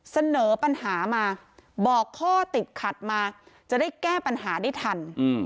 เสนอปัญหามาบอกข้อติดขัดมาจะได้แก้ปัญหาได้ทัน